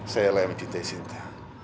sayalah yang mencintai sinta